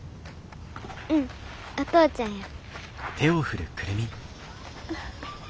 うんお父ちゃんや。